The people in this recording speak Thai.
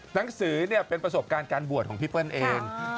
หนังสือเป็นประสบการณ์การบวชของพี่เปิ้ลเอง